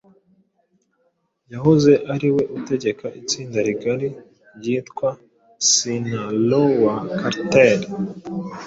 Yahoze ari we utegeka itsinda rigari ryitwa Sinaloa cartel